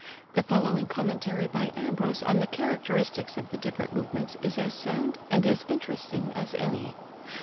The following commentary by Ambros on the characteristics of the different movements is as sound and as interesting as any